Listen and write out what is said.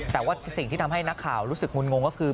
แต่ว่าสิ่งที่ทำให้นักข่าวรู้สึกงุ่นงงก็คือ